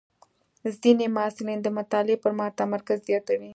ځینې محصلین د مطالعې پر مهال تمرکز زیاتوي.